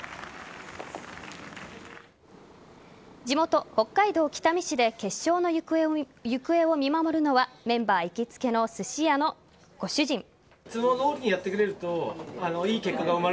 地元・北海道北見市で決勝の行方を見守るのはメンバー行きつけのすし屋のご主人。